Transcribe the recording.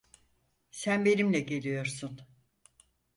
Sen benimle geliyorsun.